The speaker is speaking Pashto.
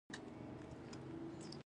ګلاب د حوصلې نغمه ده.